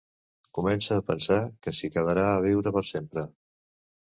Comença a pensar que s'hi quedarà a viure per sempre.